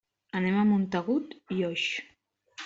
Anem a Montagut i Oix.